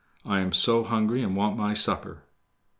I am so hungry and want my supper."